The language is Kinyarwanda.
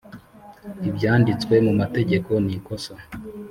ibyanditswe mu mategeko nikosa.